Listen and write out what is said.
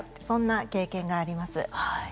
そんな経験があります。